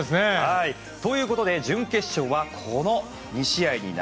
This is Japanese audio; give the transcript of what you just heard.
ということで準決勝はこの２試合。